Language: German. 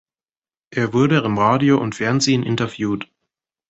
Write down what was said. Er wurde im Radio und Fernsehen interviewt.